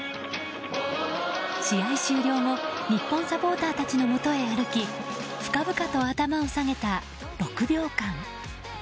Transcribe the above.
試合終了後日本サポーターたちのもとへ歩き深々と頭を下げた６秒間。